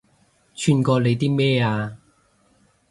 串過你啲咩啊